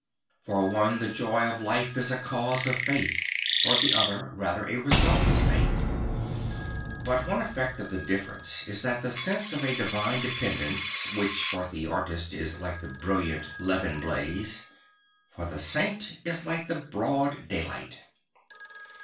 For one the joy of life is a cause of faith, for the other rather a result of faith. But one effect of the difference is that the sense of a divine dependence, which for the artist is like the brilliant levin blaze, for the saint is like the broad daylight.